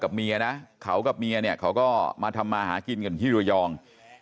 เมียนะเขากับเมียเนี่ยเขาก็มาทำมาหากินกันที่ระยอง